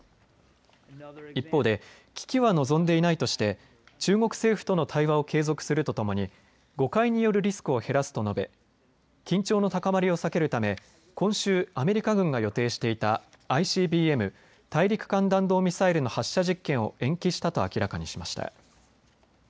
一方で危機は望んでいないとして中国政府との対話を継続するとともに誤解によるリスクを減らすと述べ、緊張の高まりを避けるため今週、アメリカ軍が予定していたＩＣＢＭ・大陸間弾道ミサイルの発射実験を延期したと明らかにしました。